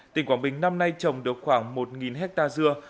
tỉnh quảng bình năm nay trồng được khoảng một hectare dưa